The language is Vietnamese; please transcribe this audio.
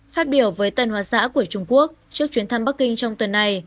phát biểu với tần hòa xã của trung quốc trước chuyến thăm bắc kinh trong tuần này